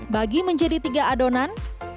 bagi menjadi tiga adonan